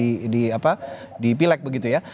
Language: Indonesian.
jadi pemenang di pilek begitu ya